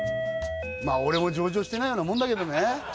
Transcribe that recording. まあ俺も上場してないようなもんだけどね